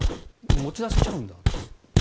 持ち出せちゃうんだという。